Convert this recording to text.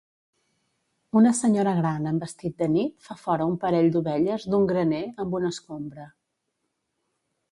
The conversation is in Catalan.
Una senyora gran amb vestit de nit fa fora un parell d'ovelles d'un graner amb una escombra.